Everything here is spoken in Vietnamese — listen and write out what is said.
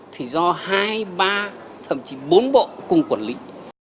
thì do hai ba thậm chí bốn bộ cùng quản lý